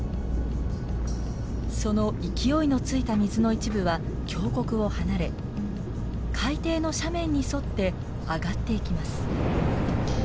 その勢いのついた水の一部は峡谷を離れ海底の斜面に沿って上がっていきます。